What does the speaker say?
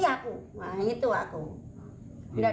tidak ada yang lain aku pokoknya mati